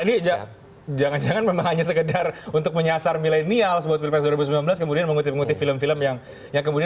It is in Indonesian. ini jangan jangan memang hanya sekedar untuk menyasar milenial sebuah film film yang kemudian mengutip mengutip film film yang kemudian